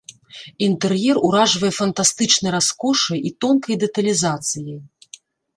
Інтэр'ер уражвае фантастычнай раскошай і тонкай дэталізацыяй.